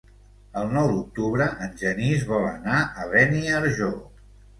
El nou d'octubre en Genís vol anar a Beniarjó.